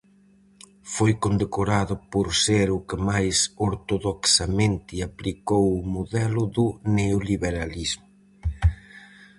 Foi condecorado por ser o que máis ortodoxamente aplicou o modelo do neoliberalismo.